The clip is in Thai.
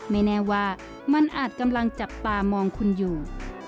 ไม่แน่ว่ามันอาจกำลังจับตามองคุณอยู่